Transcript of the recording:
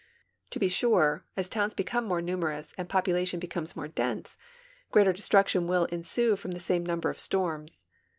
To be sure, as towns become more numerous and poi)ulation becomes more dense, greater destruction will ensue from the same number of storms.